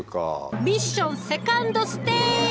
ミッションセカンドステージ！